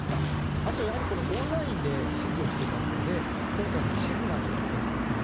あとはやはり、オンラインで指示をしていますので今回の地図などの検索履歴